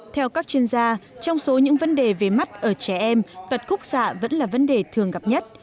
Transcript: theo các chuyên gia trong số những vấn đề về mắt ở trẻ em tật khúc xạ vẫn là vấn đề thường gặp nhất